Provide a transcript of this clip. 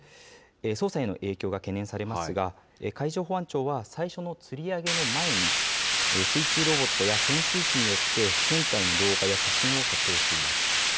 捜査への影響が懸念されますが、海上保安庁は、最初のつり上げの前に、水中ロボットや潜水士によって、船体の動画や写真を撮影しています。